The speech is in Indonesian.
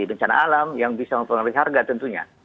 bencana alam yang bisa mempengaruhi harga tentunya